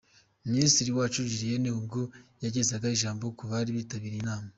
Minisitiri Uwacu Julienne ubwo yagezaga ijambo ku bari bitabiriye inama.